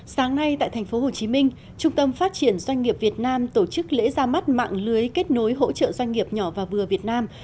sáng nay tại tp hcm trung tâm phát triển doanh nghiệp việt nam tổ chức lễ ra mắt mạng lưới kết nối hỗ trợ doanh nghiệp nhỏ và vừa việt nam